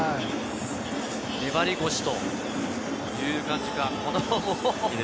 粘り腰という感じか。